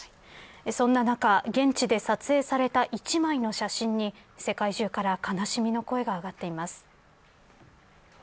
そんな中、現地で撮影された一枚の写真に世界中から悲しみの声が上がっています。